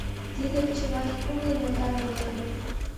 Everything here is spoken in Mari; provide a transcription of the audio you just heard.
Тиде вучымаш кумылым нӧлтале веле.